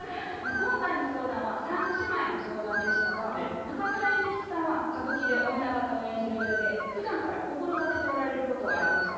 今回の相談は３姉妹の相談でしたが中村米吉さんは歌舞伎で女形を演じるうえでふだんから心掛けておられることはありますか？